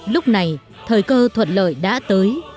lúc này thời cơ thuận lợi đã tới